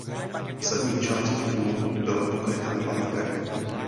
Zadní část trupu byla pokryta plátnem.